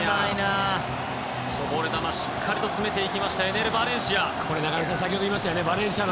こぼれ球にしっかり詰めていきましたバレンシア。